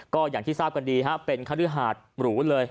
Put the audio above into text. ก็อย่างที่ทราบกันดีเป็นคฤหาดหรูเลย